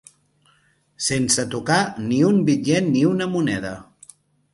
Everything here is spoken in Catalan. Sense tocar ni un bitllet ni una moneda.